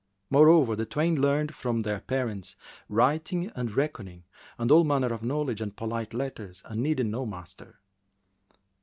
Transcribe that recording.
Moreover, the twain learned from their parents writing and reckoning and all manner of knowledge and polite letters and needed no master.